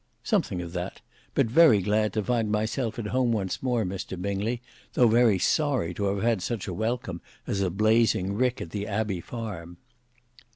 "Something of that; but very glad to find myself at home once more, Mr Bingley, though very sorry to have such a welcome as a blazing rick at the Abbey farm."